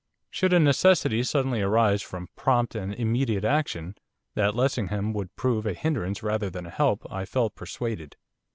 Should a necessity suddenly arise for prompt and immediate action, that Lessingham would prove a hindrance rather than a help I felt persuaded.